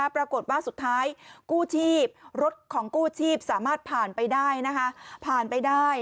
ปรากฏว่าสุดท้ายรถของกู้ชีพสามารถผ่านไปได้